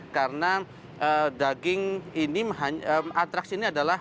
karena daging ini antraks ini adalah